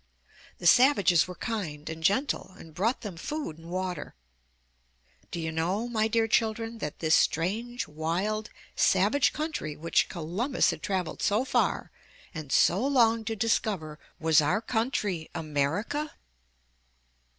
The savages were kind and gentle and brought them food and water. Do you know, my dear children, that this strange, wild, savage country which Columbus had traveled so far and so long to discover was our country, America?